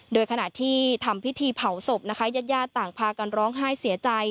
โดยขณะที่ทำพิธีเผาศพนะคะญาติญาติต่างพากันร้องไห้เสียใจ